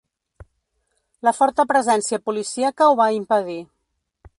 La forta presència policíaca ho va impedir.